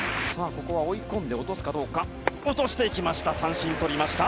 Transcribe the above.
ここは追い込んで落とすかどうか落としてきました